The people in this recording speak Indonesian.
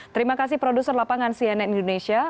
terima kasih produser lapangan cnn indonesia